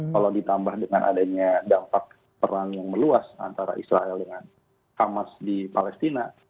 kalau ditambah dengan adanya dampak perang yang meluas antara israel dengan hamas di palestina